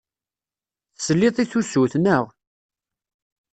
Teslid i tusut, naɣ?